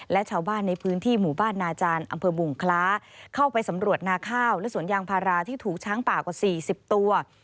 และชาวบ้านในพื้นที่หมู่บ้านนาจารย์อำเภอบุงคล้าเข้าไปสำรวจนาข้าวและสวนยางพาราที่ถูกช้างป่ากว่า๔๐ตัว